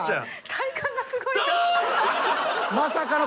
体幹がすごいから。